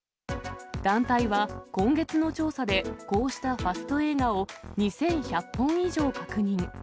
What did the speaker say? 団体は今月の調査で、こうしたファスト映画を２１００本以上確認。